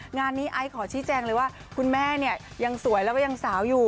งานนี้ไอซ์ขอชี้แจงเลยว่าคุณแม่เนี่ยยังสวยแล้วก็ยังสาวอยู่